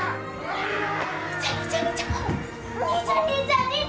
兄ちゃん兄ちゃん兄ちゃん兄ちゃん兄ちゃん兄ちゃん！